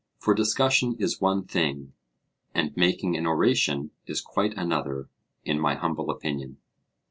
For discussion is one thing, and making an oration is quite another, in my humble opinion.